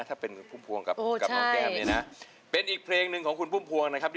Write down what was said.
ถ้าเป็นพุ่มพวงกับน้องแก้มเนี่ยนะเป็นอีกเพลงหนึ่งของคุณพุ่มพวงนะครับ